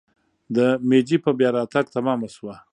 د میجي په بیا راتګ تمامه شوه.